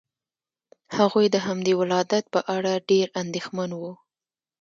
هغوی د همدې ولادت په اړه ډېر اندېښمن وو.